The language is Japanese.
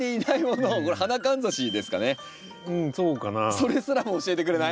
それすらも教えてくれない。